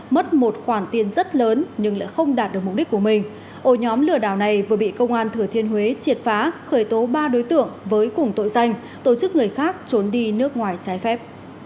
mất một khoản tiền rất lớn nhưng lại không đạt được mục đích của mình ổ nhóm lừa đảo này vừa bị công an thừa thiên huế triệt phá khởi tố ba đối tượng với cùng tội danh tổ chức người khác trốn đi nước ngoài trái phép